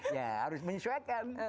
ya harus menyesuaikan